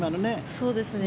そうですね。